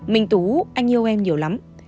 minh tú anh yêu em nhiều lắm